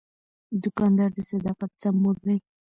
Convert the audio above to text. دوکاندار د صداقت سمبول دی.